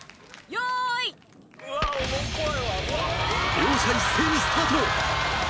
両者一斉にスタート！